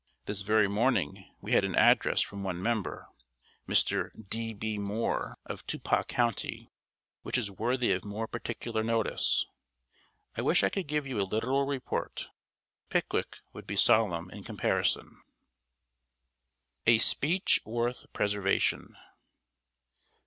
This very morning we had an address from one member Mr. D. B. Moore, of Tuppah county which is worthy of more particular notice. I wish I could give you a literal report. Pickwick would be solemn in comparison. [Sidenote: A SPEECH WORTH PRESERVATION.